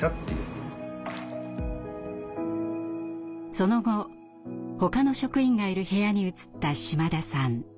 その後ほかの職員がいる部屋に移った島田さん。